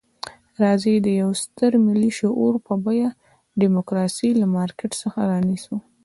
راځئ د یوه ستر ملي شعور په بیه ډیموکراسي له مارکېټ څخه رانیسو.